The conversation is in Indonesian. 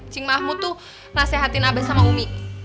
cing mahmud tuh nasehatin abah sama umi